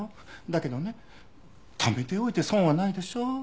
だけどねためておいて損はないでしょ。